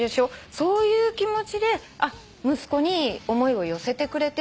そういう気持ちで息子に思いを寄せてくれてるんだって。